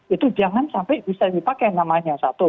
itu jangan sampai bisa dipakai namanya satu